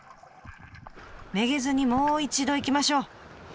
めげずにもう一度いきましょう！